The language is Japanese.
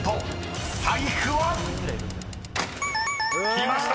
［きました！